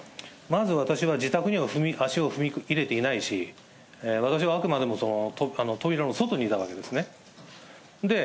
まず私は、自宅には足を踏み入れていないし、私はあくまでも扉の外にいたわけですね。